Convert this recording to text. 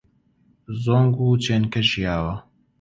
زۆنگ و چێنکە ژیاوە